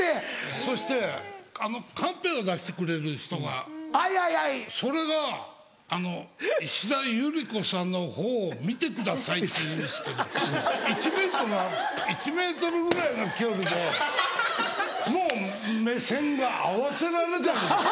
そしてあのカンペを出してくれる人がそれが石田ゆり子さんのほうを見てくださいと言うんですけど１ｍ１ｍぐらいの距離でもう目線が合わせられないんです。